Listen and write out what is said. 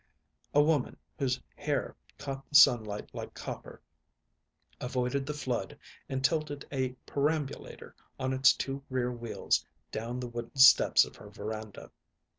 A woman, whose hair caught the sunlight like copper, avoided the flood and tilted a perambulator on its two rear wheels down the wooden steps of her veranda.